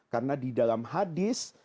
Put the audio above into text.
karena di dalam hadis